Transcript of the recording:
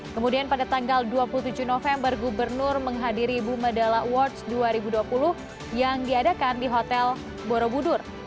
kemudian pada tanggal dua puluh tujuh november gubernur menghadiri bumedala awards dua ribu dua puluh yang diadakan di hotel borobudur